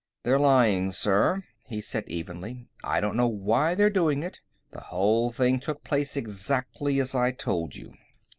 "They're lying, sir," he said evenly. "I don't know why they're doing it. The whole thing took place exactly as I told you."